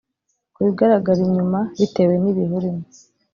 Ku bigaragara inyuma bitewe n’ibihe urimo